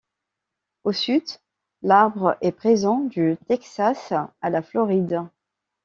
Au sud, l’arbre est présent du Texas à la Floride.